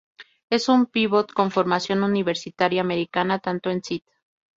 Es un pívot con formación universitaria americana, tanto en St.